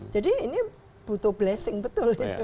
jadi ini butuh blessing betul